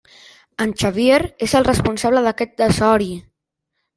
En Xavier és el responsable d'aquest desori!